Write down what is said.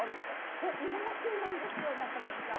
そう、今が旬なんですよ、中丸さん。